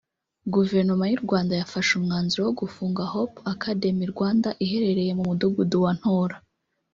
Guverinoma y’u Rwanda yafashe umwanzuro wo gufunga Hope Academy Rwanda iherereye mu Mudugudu wa Ntora